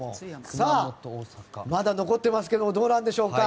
さあ、まだ残ってますけどどうなんでしょうか。